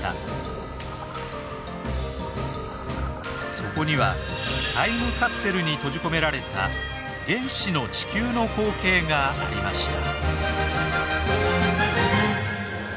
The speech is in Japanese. そこにはタイムカプセルに閉じ込められた「原始の地球」の光景がありました。